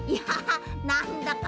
なんだか。